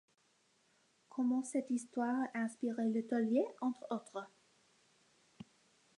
Comment cette histoire a inspiré le Taulier, entre autres.